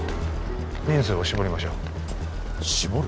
人数を絞りましょう絞る？